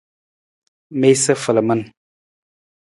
Miisa falaman.